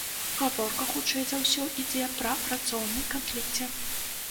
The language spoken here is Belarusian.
Гаворка, хутчэй за ўсё, ідзе пра працоўны канфлікце.